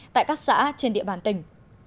tại các xã trên địa bàn tỉnh